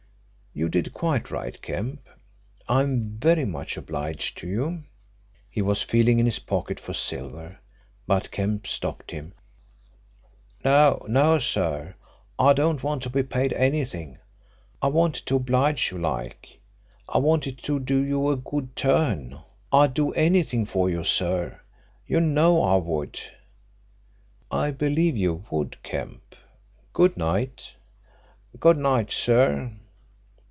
"You did quite right, Kemp. I am very much obliged to you." He was feeling in his pocket for silver, but Kemp stopped him. "No, no, sir. I don't want to be paid anything. I wanted to oblige you like; I wanted to do you a good turn. I'd do anything for you, sir you know I would." "I believe you would, Kemp. Good night." "Good night, sir."